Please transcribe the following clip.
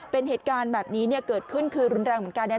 เป็นเหตุการณ์แบบนี้เกิดขึ้นคือรุนแรงเหมือนกัน